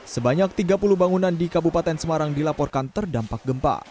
sebanyak tiga puluh bangunan di kabupaten semarang dilaporkan terdampak gempa